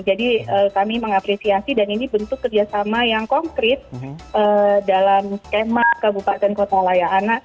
jadi kami mengapresiasi dan ini bentuk kerjasama yang konkret dalam skema kabupaten kota layak anak